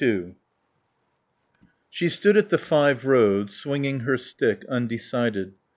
II She stood at the five roads, swinging her stick, undecided.